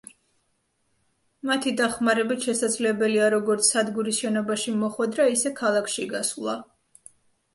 მათი დახმარებით შესაძლებელია, როგორც სადგურის შენობაში მოხვედრა, ისე ქალაქში გასვლა.